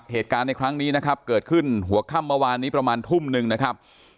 เหตุการณ์ในครั้งนี้นะครับเกิดขึ้นหัวค่ำเมื่อวานนี้ประมาณทุ่มหนึ่งนะครับ